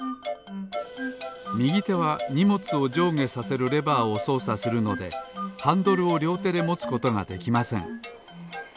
みぎてはにもつをじょうげさせるレバーをそうさするのでハンドルをりょうてでもつことができません。